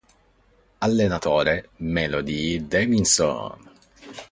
Allenatore: Melody Davidson.